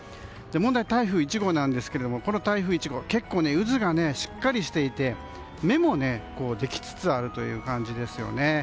問題は台風１号なんですが結構、渦がしっかりしていて目もできつつあるという感じです。